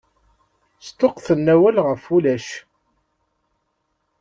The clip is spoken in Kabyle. Sṭuqquten awal ɣef ulac!